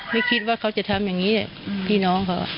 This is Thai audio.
ไม่คิดว่าเขาจะทำอย่างนี้พี่น้องเขา